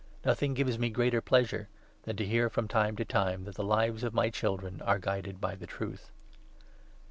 Nothing gives me 4 greater pleasure than to hear from time to time that the lives of my Children are guided by the Truth.